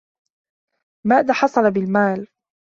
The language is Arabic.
ماذا حصل بالمال؟